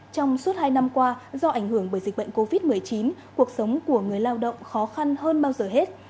trong suốt hai năm qua do ảnh hưởng bởi dịch bệnh covid một mươi chín cuộc sống của người lao động khó khăn hơn bao giờ hết